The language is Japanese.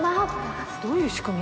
どういう仕組み？